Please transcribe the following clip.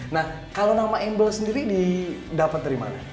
nah kalau nama amble sendiri didapat dari mana